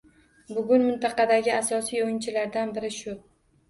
Bugun mintaqadagi asosiy oʻyinchilardan biri shu